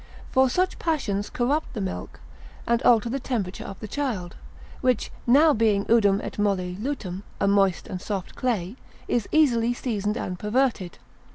For such passions corrupt the milk, and alter the temperature of the child, which now being Udum et molle lutum, a moist and soft clay, is easily seasoned and perverted.